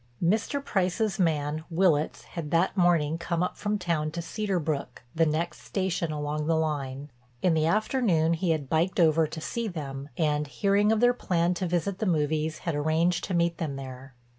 Mr. Price's man, Willitts, had that morning come up from town to Cedar Brook, the next station along the line. In the afternoon he had biked over to see them and, hearing of their plan to visit the movies, had arranged to meet them there.